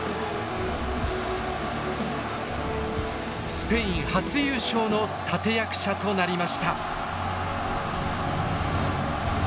スペイン初優勝の立て役者となりました。